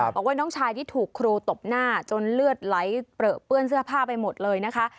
บอกว่าน้องชายที่ถูกครูตบหน้าจนเลือดไหลเปลือเปื้อนเสื้อผ้าไปหมดเลยนะคะ